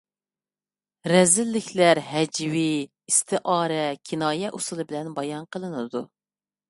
رەزىللىكلەر ھەجۋىي، ئىستىئارە، كىنايە ئۇسۇلى بىلەن بايان قىلىنىدۇ.